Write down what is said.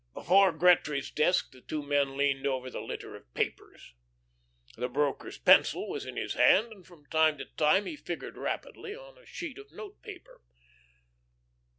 Before Gretry's desk the two men leaned over the litter of papers. The broker's pencil was in his hand and from time to time he figured rapidly on a sheet of note paper.